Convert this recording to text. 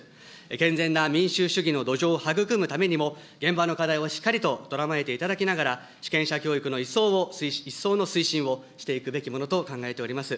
健全な民主主義の土壌を育むためにも、現場の課題をしっかりととらまえていただきながら、主権者教育の一層の推進をしていくべきものと考えております。